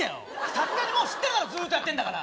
さすがにもう知ってるだろずっとやってんだから。